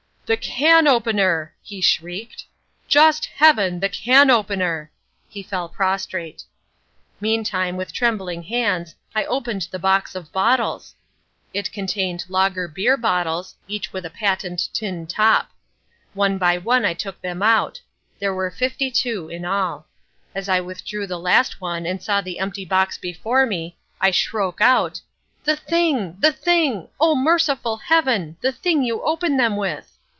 "The can opener!" he shrieked, "just Heaven, the can opener." He fell prostrate. Meantime, with trembling hands, I opened the box of bottles. It contained lager beer bottles, each with a patent tin top. One by one I took them out. There were fifty two in all. As I withdrew the last one and saw the empty box before me, I shroke out—"The thing! the thing! oh, merciful Heaven! The thing you open them with!"